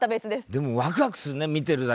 でもワクワクするね見てるだけで。